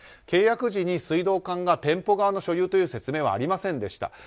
契約時に水道管が店舗側の所有という説明はありませんでした。